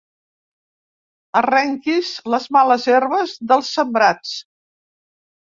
Arrenquis les males herbes dels sembrats.